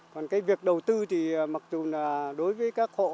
còn cái việc đầu tư thì mặc dù là đối với các hộ